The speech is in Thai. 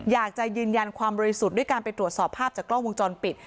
อยากจะยืนยันความบริสุทธิ์ด้วยการไปตรวจสอบภาพจากกล้องวงจรปิด